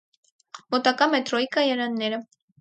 Մոտակա մետրոյի կայարանները։